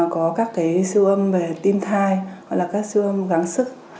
có các siêu âm về tim thai hoặc là các siêu âm gắng sức